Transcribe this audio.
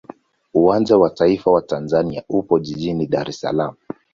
Uwanja wa taifa wa Tanzania upo jijini Dar es Salaam.